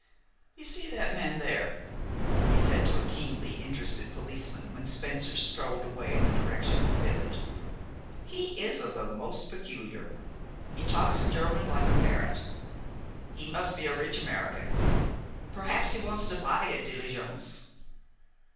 "You see that man there?" he said to a keenly interested policeman when Spencer strolled away in the direction of the village. "He is of the most peculiar. He talks German like a parrot. He must be a rich American. Perhaps he wants to buy a diligence."